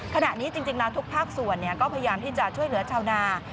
ขณะนี้จริงแล้วทุกภาคส่วนก็พยายามที่จะช่วยเหลือชาวนา